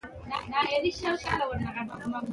مالي وسایل باید وپیژندل شي.